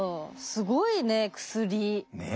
すごいね薬。ねえ。